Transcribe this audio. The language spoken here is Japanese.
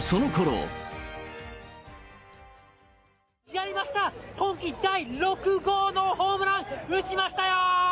大谷選手、やりました、今季６号のホームラン、打ちましたよ！